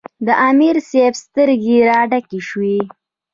د امیر صېب سترګې راډکې شوې ـ